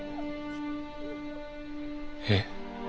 えっ。